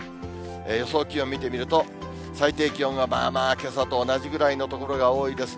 予想気温見てみると、最低気温がまあまあけさと同じぐらいの所が多いですね。